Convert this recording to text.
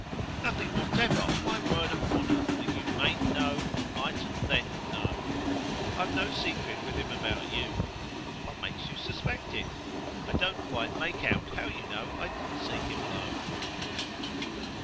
"Nothing whatever, on my word of honour, that you mayn't know or mightn't then have known. I've no secret with him about you. What makes you suspect it? I don't quite make out how you know I did see him alone."